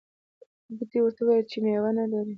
بوټي ورته وویل چې میوه نه لرې.